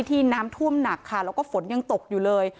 ที่น้ำท่วมหนักค่ะแล้วก็ฝนยังตกอยู่เลย